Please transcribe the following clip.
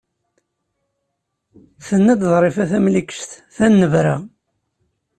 Tenna-d Ḍrifa Tamlikect, tennebra.